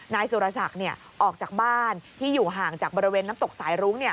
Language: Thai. นายสุรศักดิ์ออกจากบ้านที่อยู่ห่างจากบริเวณน้ำตกสายรุ้ง